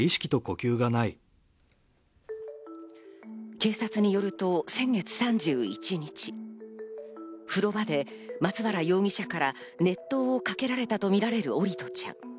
警察によると先月３１日、風呂場で松原容疑者から熱湯をかけられたとみられる桜利斗ちゃん。